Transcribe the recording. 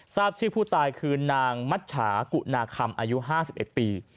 ทราบชื่อผู้ตายคือนางมัชชากุนาคำอายุ๕๑ปี